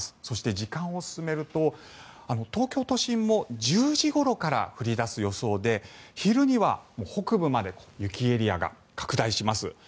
そして、時間を進めると東京都心も１０時ごろから降り出す予想で昼には北部まで雪エリアが拡大します。